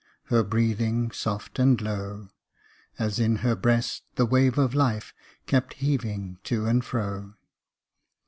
Her breathing soft and low, As in her breast the wave of life Kept heaving to and fro.